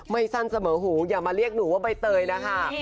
สั้นเสมอหูอย่ามาเรียกหนูว่าใบเตยนะคะ